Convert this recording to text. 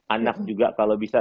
anak juga kalau bisa